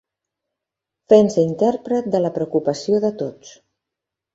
...fent-se intèrpret de la preocupació de tots.